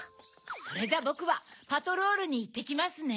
それじゃボクはパトロールにいってきますね。